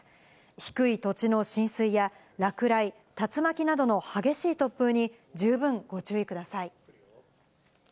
低い土地の浸水や落雷、竜巻などの激しい突風に十分ご注意ください。